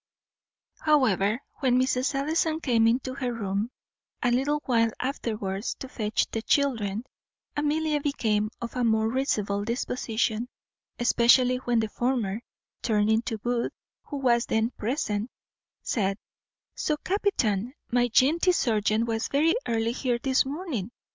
However, when Mrs. Ellison came into her room a little while afterwards to fetch the children, Amelia became of a more risible disposition, especially when the former, turning to Booth, who was then present, said, "So, captain, my jantee serjeant was very early here this morning.